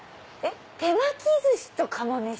手巻き寿司と釜飯？